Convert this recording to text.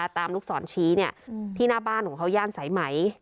ลูกศรชี้ที่หน้าบ้านของเขาย่านสายไหม